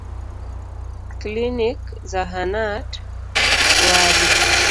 A. klinik B. zahanat C. wadi